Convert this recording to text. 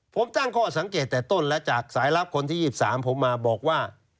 ผมตั้งข้อสังเกตแต่ต้นแล้วจากสายลับคนที่๒๓ผมมาบอกว่า